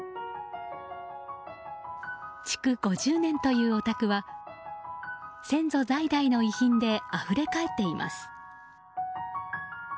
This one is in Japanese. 築５０年というお宅は先祖代々の遺品であふれ返っています。